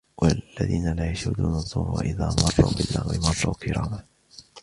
والذين لا يشهدون الزور وإذا مروا باللغو مروا كراما